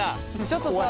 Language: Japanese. ちょっとさ